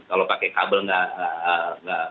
kalau pakai kabel tidak ada kode